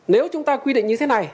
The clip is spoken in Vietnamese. nếu chúng ta quy định như thế này